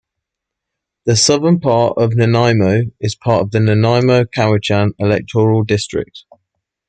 The southern part of Nanaimo is part of the Nanaimo-Cowichan electoral district.